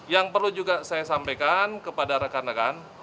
yang perlu juga saya sampaikan kepada rekan rekan